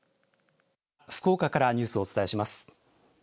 福岡からニュースをお伝えします。